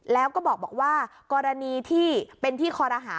แล้วก็บอกว่ากรณีที่เป็นที่คอรหา